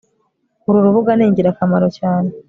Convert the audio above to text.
Uru rubuga ni ingirakamaro cyane